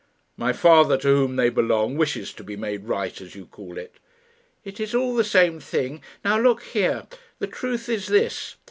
"My father, to whom they belong, wishes to be made right, as you call it." "It is all the same thing. Now, look here. The truth is this.